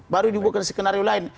baru dibuatkan sikenario lain